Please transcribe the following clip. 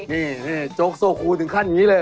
นี่โจ๊กโซคูถึงขั้นอย่างนี้เลย